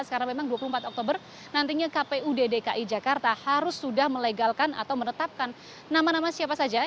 karena memang dua puluh empat oktober nantinya kpud dki jakarta harus sudah melegalkan atau menetapkan nama nama siapa saja